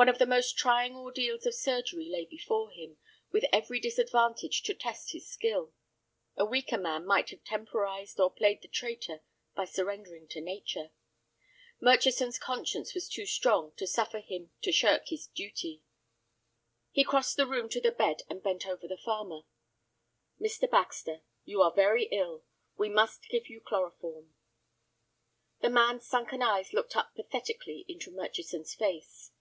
One of the most trying ordeals of surgery lay before him, with every disadvantage to test his skill. A weaker man might have temporized, or played the traitor by surrendering to nature. Murchison's conscience was too strong to suffer him to shirk his duty. He crossed the room to the bed, and bent over the farmer. "Mr. Baxter, you are very ill; we must give you chloroform." The man's sunken eyes looked up pathetically into Murchison's face.